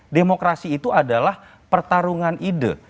demokrasi itu adalah pertarungan ide